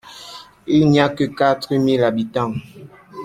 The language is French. Il n’y a que quatre mille habitants.